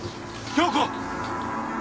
響子！